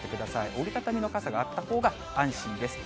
折り畳みの傘があったほうが安心です。